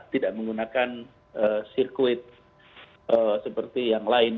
tidak menggunakan sirkuit seperti yang lain